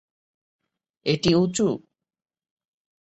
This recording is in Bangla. এটি উঁচু।